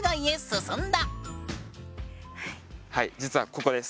はい実はここです。